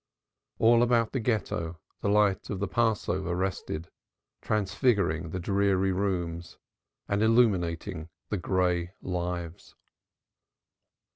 All about the Ghetto the light of the Passover rested, transfiguring the dreary rooms and illumining the gray lives.